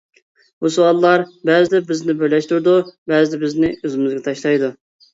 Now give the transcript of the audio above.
بۇ سوئاللار بەزىدە بىزنى بىرلەشتۈرىدۇ، بەزىدە بىزنى ئۆزىمىزگە تاشلايدۇ.